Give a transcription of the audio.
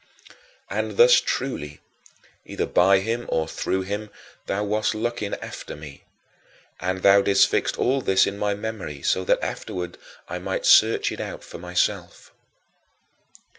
6. And thus truly, either by him or through him, thou wast looking after me. And thou didst fix all this in my memory so that afterward I might search it out for myself.